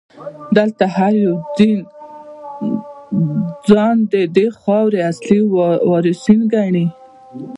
دلته هر یو دین ځان ددې خاورې اصلي وارثان ګڼي.